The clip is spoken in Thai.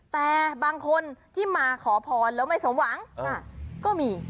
แต่บางคนที่มาขอพรแล้วไม่สมหวังก็มี